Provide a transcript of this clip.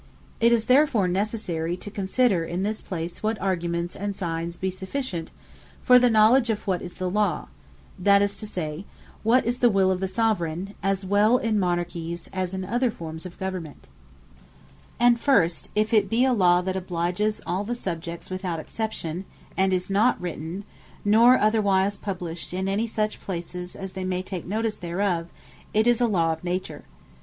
It is therefore necessary, to consider in this place, what arguments, and signes be sufficient for the knowledge of what is the Law; that is to say, what is the will of the Soveraign, as well in Monarchies, as in other formes of government. Unwritten Lawes Are All Of Them Lawes Of Nature And first, if it be a Law that obliges all the Subjects without exception, and is not written, nor otherwise published in such places as they may take notice thereof, it is a Law of Nature.